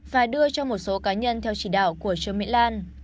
và đưa cho một số cá nhân theo chỉ đạo của trương mỹ lan